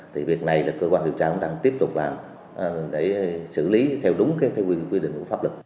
thì việc này là cơ quan điều tra cũng đang tiếp tục làm để xử lý theo đúng cái quy định của pháp luật